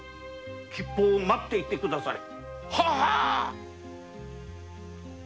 吉報を待っていて下され。